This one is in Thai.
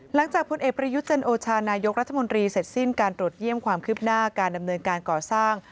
พลเอกประยุทธ์จันโอชานายกรัฐมนตรีเสร็จสิ้นการตรวจเยี่ยมความคืบหน้าการดำเนินการก่อสร้าง